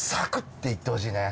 ていってほしいね。